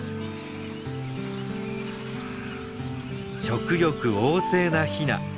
食欲旺盛なヒナ。